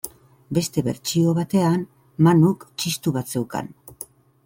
Beste bertsio batean, Manuk txistu bat zeukan.